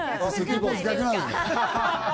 ポーズ逆なのよ。